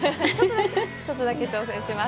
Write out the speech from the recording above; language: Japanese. ちょっとだけ挑戦します。